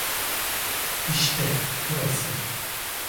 İşte burası.